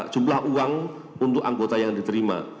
jumlah uang untuk anggota yang diterima